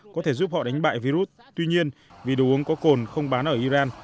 có thể giúp họ đánh bại virus tuy nhiên vì đồ uống có cồn không bán ở iran